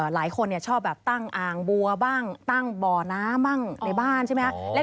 หลายคนชอบแบบตั้งอ่างบัวบ้างตั้งบ่อน้ำบ้างในบ้านใช่ไหมครับ